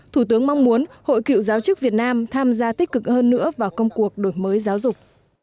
thủ tướng mong muốn hội cựu giáo chức việt nam tham gia tích cực hơn nữa vào công cuộc đổi mới giáo dục